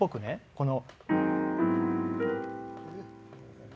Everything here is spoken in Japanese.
この。